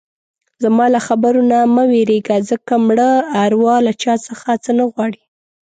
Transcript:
زما له خبرو نه مه وېرېږه ځکه مړه اروا له چا څه نه غواړي.